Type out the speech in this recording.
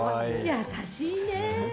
優しいね。